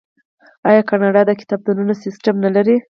آیا کاناډا د کتابتونونو سیستم نلري؟